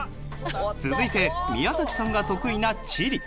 続いて宮崎さんが得意な地理。